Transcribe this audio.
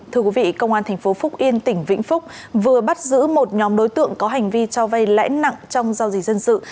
thưa quý vị công an tp phúc yên tỉnh vĩnh phúc vừa bắt giữ một nhóm đối tượng có hành vi cho vay lãi nặng trong giao dịch dân sự